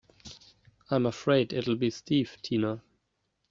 I'm afraid it'll be Steve Tina.